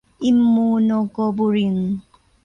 อิมมูโนโกลบูลิน